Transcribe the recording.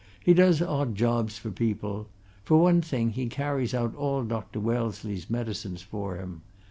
"He does odd jobs for people. For one thing, he carries out all Dr. Wellesley's medicines for him.